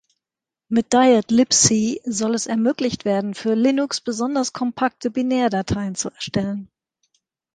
Mit diet libc soll es ermöglicht werden, für Linux besonders kompakte Binärdateien zu erstellen.